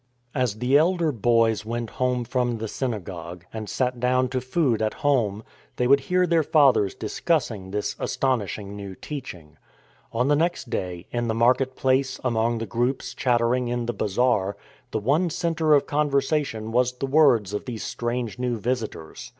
As the elder boys went home from the synagogue, and sat down to food at home, they would hear their fathers discussing this astonishing new teaching. On the next day — in the market place, among the groups chattering in the bazaar — the one centre of conversa tion was the words of these strange new visitors.